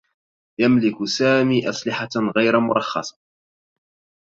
يملك سامي أسلحة غير مرخّصة.